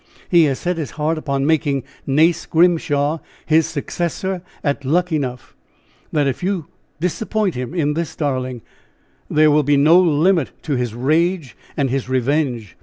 He has set his heart upon making Nace Grimshaw his successor at Luckenough, that if you disappoint him in this darling purpose, there will be no limit to his rage and his revenge.